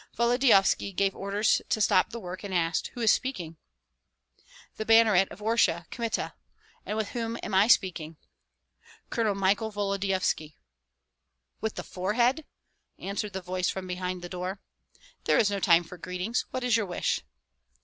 Volodyovski gave orders to stop the work and asked; "Who is speaking?" "The banneret of Orsha, Kmita; and with whom am I speaking?" "Col. Michael Volodyovski." "With the forehead!" answered the voice from behind the door. "There is no time for greetings. What is your wish?"